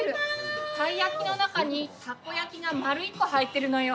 たい焼きの中にたこ焼きが丸一個入ってるのよ。